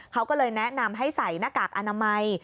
เขาก็เลยแนะนำให้ใส่หน้ากากอนามัย